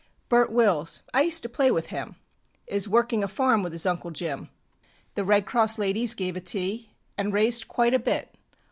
Bert Wills I used to play with him Is working a farm with his Uncle Jim. The Red Cross ladies gave a tea, And raised quite a bit.